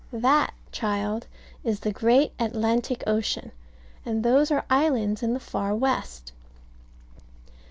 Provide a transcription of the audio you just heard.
That, child, is the great Atlantic Ocean, and those are islands in the far west.